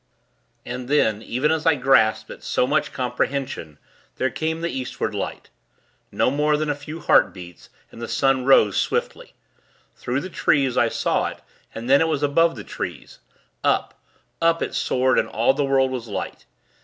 And then, even as I grasped at so much comprehension, there came the Eastward light. No more than a few heartbeats, and the sun rose, swiftly. Through the trees, I saw it, and then it was above the trees. Up up, it soared and all the world was light.